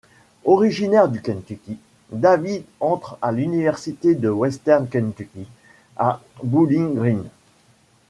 Originaire du Kentucky, David entre à l'Université de Western Kentucky, à Bowling Green.